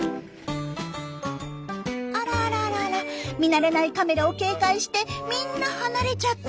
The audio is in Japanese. あらあら見慣れないカメラを警戒してみんな離れちゃった。